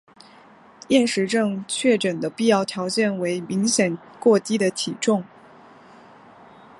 厌食症确诊的必要条件为明显过低的体重。